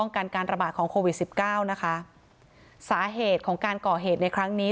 การการระบาดของโควิดสิบเก้านะคะสาเหตุของการก่อเหตุในครั้งนี้